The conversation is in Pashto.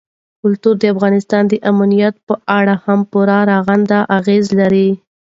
کلتور د افغانستان د امنیت په اړه هم پوره او رغنده اغېز لري.